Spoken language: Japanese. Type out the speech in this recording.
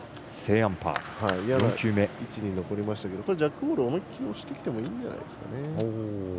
嫌な位置に残りましたけどジャックボールを思い切り押してきてもいいんじゃないですかね。